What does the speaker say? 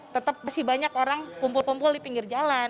tetap masih banyak orang kumpul kumpul di pinggir jalan